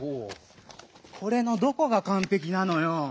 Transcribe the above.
これのどこがかんぺきなのよ！